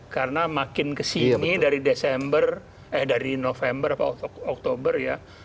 karena makin kesini dari november atau oktober ya